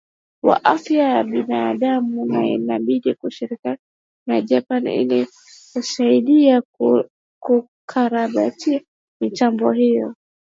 wa afya ya binadamu na inaahidi kushirikiana na japan ili kuisaidia kukarabati mitambo hiyo